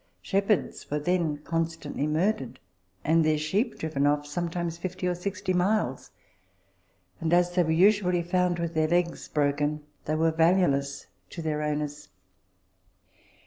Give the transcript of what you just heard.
Shepherds were then constantly murdered, and their sheep driven off sometimes 50 or 60 miles, and, as they were usually found with their legs broken, they were valueless to their owners.